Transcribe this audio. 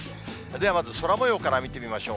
ではまず、空もようから見てみましょう。